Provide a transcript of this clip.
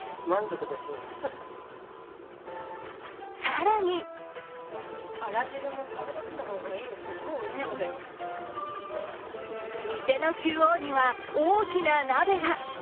更に店の中央には大きな鍋が。